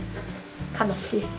悲しい。